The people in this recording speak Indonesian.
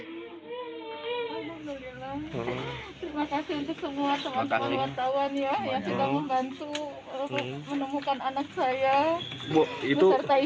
terima kasih untuk semua teman teman wartawan yang sudah membantu menemukan anak saya